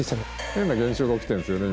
変な現象が起きてるんですよね。